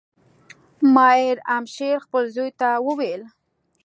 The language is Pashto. مایر امشیل خپل زوی ته وویل.